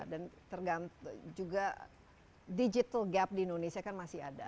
dan tergantung juga digital gap di indonesia kan masih ada